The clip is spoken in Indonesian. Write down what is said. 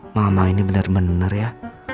mama ini benar benar ya